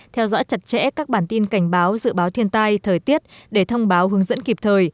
theo dõi chặt chẽ các bản tin cảnh báo dự báo thiên tai thời tiết để thông báo hướng dẫn kịp thời